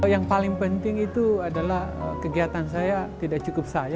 yang paling penting itu adalah kegiatan saya tidak cukup saya